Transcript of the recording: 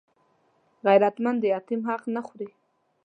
غیرتمند د یتیم حق نه خوړوي